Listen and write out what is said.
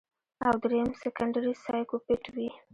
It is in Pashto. او دريم سيکنډري سايکوپېت وي